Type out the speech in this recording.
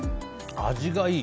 味がいい。